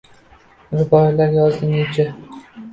Ruboiylar yozdi necha